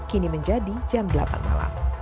kini menjadi jam delapan malam